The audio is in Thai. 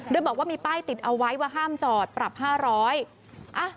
โดยบอกว่ามีป้ายติดเอาไว้ว่าห้ามจอดปรับ๕๐๐บาท